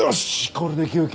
これで９件。